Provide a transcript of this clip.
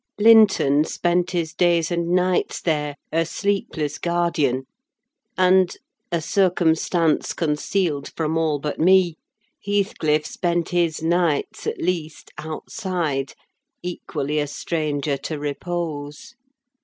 Linton spent his days and nights there, a sleepless guardian; and—a circumstance concealed from all but me—Heathcliff spent his nights, at least, outside, equally a stranger to repose.